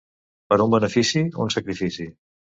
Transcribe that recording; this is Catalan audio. Per un benefici, un sacrifici.